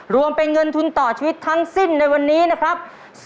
รวมเป็นเงินทุนต่อชีวิตทั้งสิ้นในวันนี้นะครับ